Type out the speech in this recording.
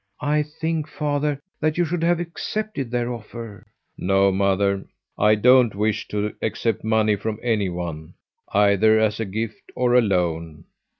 I think, father, that you should have accepted their offer." "No, mother, I don't wish to accept money from any one, either as a gift or a loan.